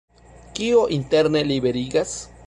Kio interne liberigas?